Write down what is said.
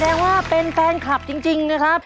แสดงว่าเป็นแฟนคลับจริงนะครับ